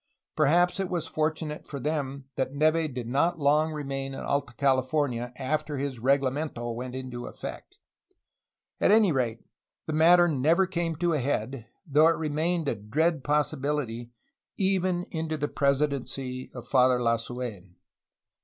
Perhaps it was fortunate for them that Neve did not long remain in Alta California after this reglamento went into effect. At any rate, the matter never came to a head, though it remained a dread possibility ev^ into the presidency of Father Lasu^n.